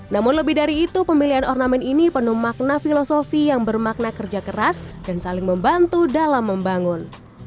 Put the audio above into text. namun lebih dari itu pemilihan ornamen ini penuh makna filosofi yang bermakna kerja keras dan saling membantu dalam membangun